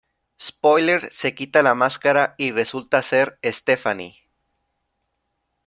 Spoiler se quita la máscara y resulta ser Stephanie.